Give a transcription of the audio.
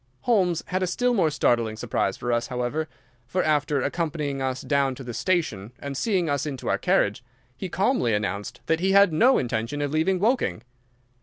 Holmes had a still more startling surprise for us, however, for, after accompanying us down to the station and seeing us into our carriage, he calmly announced that he had no intention of leaving Woking.